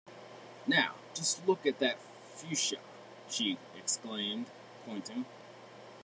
“Now, just look at that fuchsia!” she exclaimed, pointing.